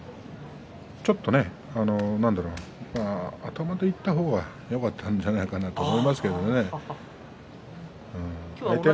頭でいった方がよかったんじゃないかなと思いますけどね。